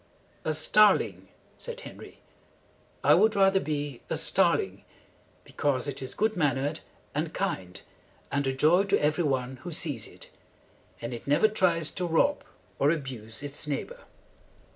"A star ling," said Henry. "I would rather be a star ling, because it is good mannered and kind and a joy to every one who sees it, and it never tries to rob or abuse its neigh bor."